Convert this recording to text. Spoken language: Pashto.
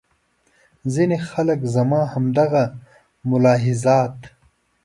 ځینې خلکو زما همدغه ملاحظات.